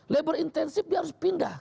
labor intensif dia harus pindah